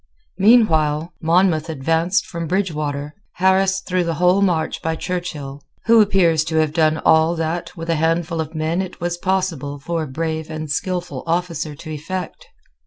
Meanwhile Monmouth advanced from Bridgewater harassed through the whole march by Churchill, who appears to have done all that, with a handful of men, it was possible for a brave and skilful officer to effect.